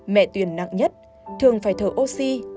mẹ tuyền nặng nhất thường phải thở oxy